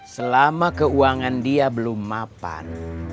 selama keuangan dia belum mapan